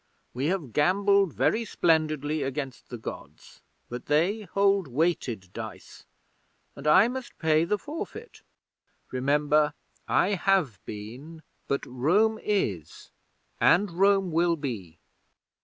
We have gambled very splendidly against the Gods, but they hold weighted dice, and I must pay the forfeit. Remember, I have been; but Rome is; and Rome will be.